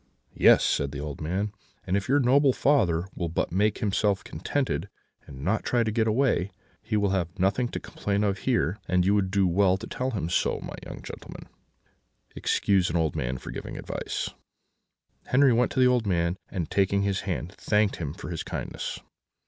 "'Yes,' said the old man, 'and if your noble father will but make himself contented, and not try to get away, he will have nothing to complain of here, and you would do well to tell him so. My young gentleman, excuse an old man for giving his advice.' "Henri went up to the old man, and, taking his hand, thanked him for his kindness.